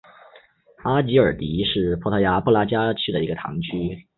阿吉尔迪是葡萄牙布拉加区的一个堂区。